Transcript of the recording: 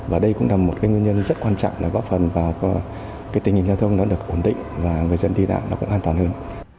và đây cũng là một cái nguyên nhân rất quan trọng là góp phần vào cái tình hình giao thông nó được ổn định và người dân đi lại nó cũng an toàn hơn